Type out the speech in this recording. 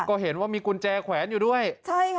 ก็เห็นว่ามีกุญแจแขวนอยู่ด้วยใช่ค่ะ